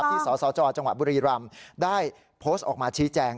ที่สศจบุรีรัมน์ได้โพสต์ออกมาชี้แจง